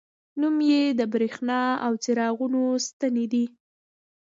نوم یې د بریښنا او څراغونو ستنې دي.